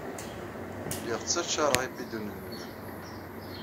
Lliɣ ttacaṛeɣ ibidunen-nni.